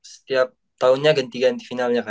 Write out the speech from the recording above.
setiap tahunnya ganti ganti finalnya